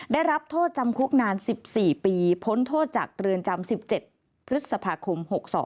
ได้รับโทษจำคุกนาน๑๔ปีพ้นโทษจากเรือนจำ๑๗พฤษภาคม๖๒